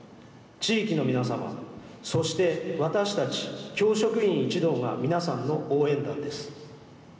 地域の皆さまそして、私たち教職員一同が皆さんの応援団です。